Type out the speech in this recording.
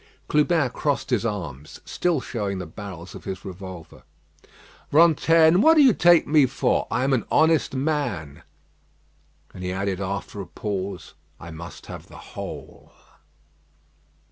Clubin crossed his arms, still showing the barrels of his revolver. "Rantaine, what do you take me for? I am an honest man." And he added after a pause: "I must have the whole."